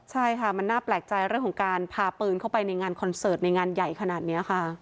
ใช่ค่ะมันน่าแปลกใจเรื่องของการพาปืนเข้าไปในงานคอนเสิร์ตในงานใหญ่ขนาดนี้ค่ะ